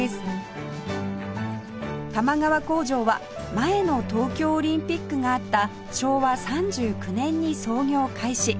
多摩川工場は前の東京オリンピックがあった昭和３９年に操業開始